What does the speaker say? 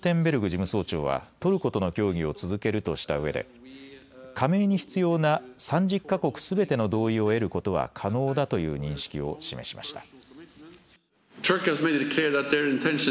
事務総長はトルコとの協議を続けるとしたうえで加盟に必要な３０か国すべての同意を得ることは可能だという認識を示しました。